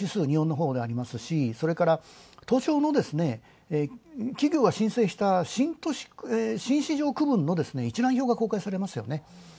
日本のほうでありますしそれから東証の企業が申請した新市場区分の一覧表が公開されました。